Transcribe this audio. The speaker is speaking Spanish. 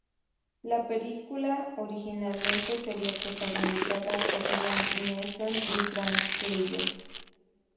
La película originalmente sería protagonizada por Liam Neeson y Frank Grillo.